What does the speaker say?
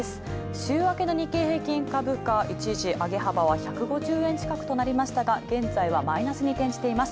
週明けの日経平均株価、一時上げ幅は１５０円近くとなりましたが現在はマイナスに転じています。